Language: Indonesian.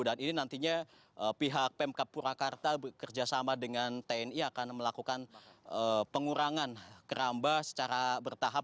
dan ini nantinya pihak pmk purwakarta bekerjasama dengan tni akan melakukan pengurangan keramba secara bertahap